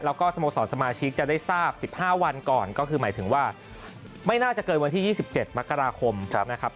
แล้วก็สโมสรสมาชิกจะได้ทราบ๑๕วันก่อนก็คือหมายถึงว่าไม่น่าจะเกินวันที่๒๗มกราคมนะครับ